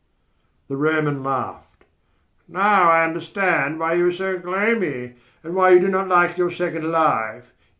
The Roman laughed. "Now I understand why you are so gloomy and why you do not like your second life.